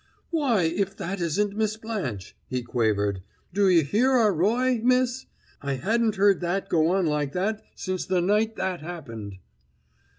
"Why, if that isn't Miss Blanche!" he quavered. "Do you hear our Roy, miss? I ha'n't heard that go on like that since the night that happened!"